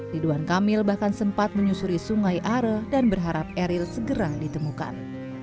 ridwan kamil bahkan sempat menyusuri sungai are dan berharap eril segera ditemukan